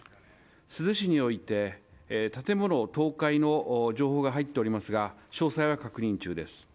珠洲市において、建物倒壊の情報が入っておりますが詳細は確認中です。